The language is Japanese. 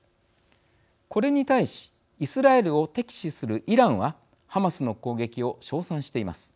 これに対しイスラエルを敵視するイランはハマスの攻撃を称賛しています。